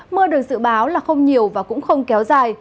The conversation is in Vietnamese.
mưa được dự báo là không nhiều và cũng không kéo dài